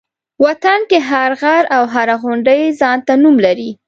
وطن کې هر غر او هره غونډۍ ځان ته نوم لري.